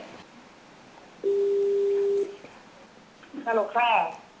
ฮัลโหลค่ะ